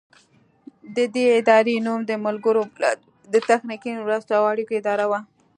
د دې ادارې نوم د ملګرو ملتونو د تخنیکي مرستو او اړیکو اداره و.